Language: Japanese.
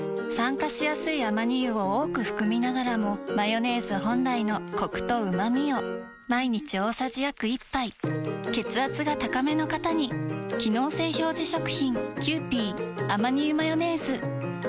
酸化しやすいアマニ油を多く含みながらもマヨネーズ本来のコクとうまみを毎日大さじ約１杯血圧が高めの方に機能性表示食品